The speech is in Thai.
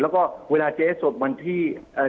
แล้วก็เวลาเจ๊สดวันที่